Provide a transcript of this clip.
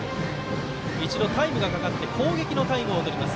一度タイムがかかって攻撃のタイムをとります。